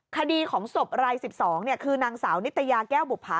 คดีของศพราย๑๒คือนางสาวนิตยาแก้วบุภา